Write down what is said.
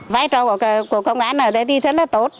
vai trò của công an ở đây thì rất là tốt